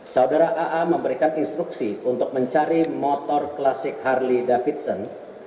saudara aa memberikan instruksi untuk mencari motor klasik harley davidson